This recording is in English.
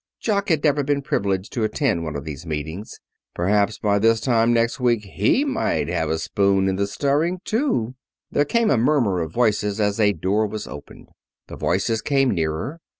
Jock had never been privileged to attend one of these meetings. Perhaps by this time next week he might have a spoon in the stirring too There came the murmur of voices as a door was opened. The voices came nearer.